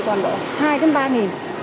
bữa nay vẫn dùng để ăn